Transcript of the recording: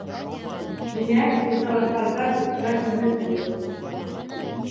Тимәк, ул тарафтарҙа көткән өмөт юҡ.